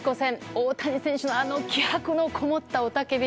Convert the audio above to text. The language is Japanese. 大谷選手のあの気迫のこもった雄たけび。